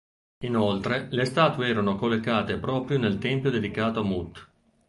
Inoltre, le statue erano collocate proprio nel tempio dedicato a Mut.